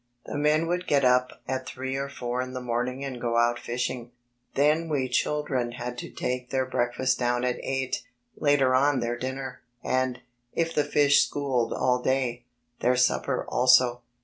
The men would get up at three or four in the morning and go out fishing. Then we children had to take their breakfast down at eight, later on their dinner, and, ff the fish "schooled" all day, their supper also.